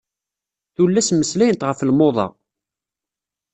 Tullas meslayent ɣef lmuḍa.